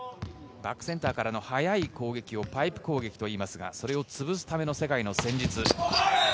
バックセンターからの速い攻撃をパイプ攻撃と言いますが、それをつぶすための世界の戦術。